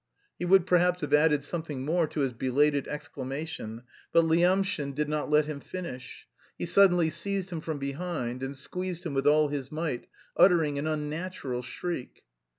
He would perhaps have added something more to his belated exclamation, but Lyamshin did not let him finish: he suddenly seized him from behind and squeezed him with all his might, uttering an unnatural shriek.